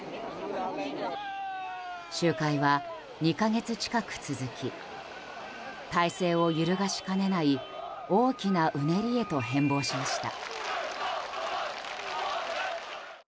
集会は、２か月近く続き体制を揺るがしかねない大きなうねりへと変貌しました。